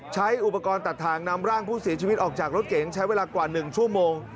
ใช้อุปกรณ์ตัดทางนำร่างผู้เสียชีวิตออกจากรถเก๋งใช้เวลากว่า๑ชั่วโมง